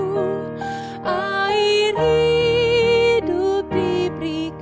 lepaskan dari bahaya dan beri roti padaku